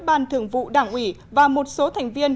ban thường vụ đảng ủy và một số thành viên